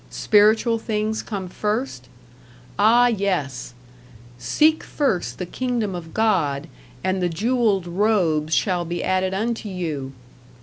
"Spiritual things come first?" Ah, yes! "Seek first the kingdom of God, and the jewelled robes shall be added unto you!"